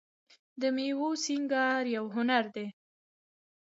د میوو سینګار یو هنر دی.